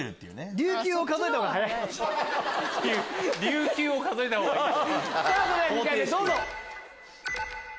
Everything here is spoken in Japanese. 琉球を数えたほうがいいよ。